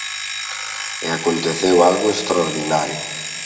E aconteceu algo extraordinario.